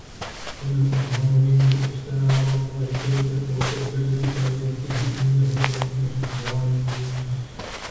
وَمَنْ أَظْلَمُ مِمَّنِ افْتَرَى عَلَى اللَّهِ كَذِبًا أَوْ كَذَّبَ بِآيَاتِهِ إِنَّهُ لَا يُفْلِحُ الظَّالِمُونَ